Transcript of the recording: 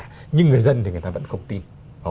chúng ta vẫn không tin